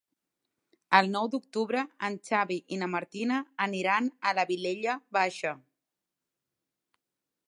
El nou d'octubre en Xavi i na Martina aniran a la Vilella Baixa.